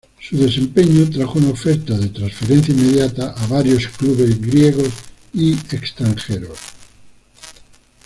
Su desempeño trajo una oferta de transferencia inmediata varios clubes griegos y extranjeros.